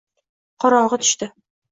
Qorong`i tushdi